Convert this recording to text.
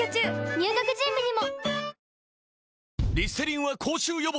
入学準備にも！